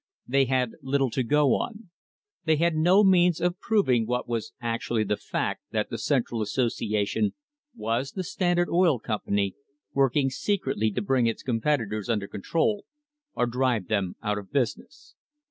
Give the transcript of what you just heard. They had little to go on. They had no means of proving what was actually the fact that the Central Association was the Standard Oil Company working secretly to bring its competitors under control or drive them out of business.